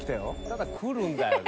「ただ来るんだよな」